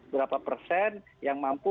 berapa persen yang mampu